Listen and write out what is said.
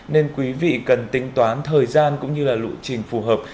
nên quý vị cần tính toán thời gian cũng như là lộ trình phù hợp